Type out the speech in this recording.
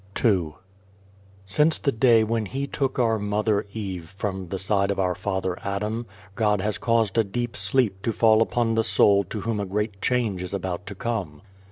22 II SINCE the day when He took our mother Eve from the side of our father Adam, God has caused a deep sleep to fall upon the soul to whom a great change is about to come.